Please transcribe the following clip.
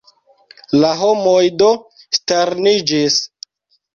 La homoj do sterniĝis.